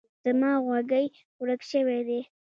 زما غوږۍ ورک شوی ده.